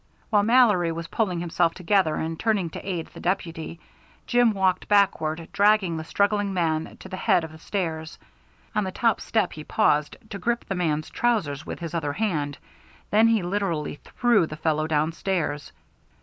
While Mallory was pulling himself together and turning to aid the deputy, Jim walked backward, dragging the struggling man to the head of the stairs. On the top step he paused to grip the man's trousers with his other hand, then he literally threw the fellow downstairs.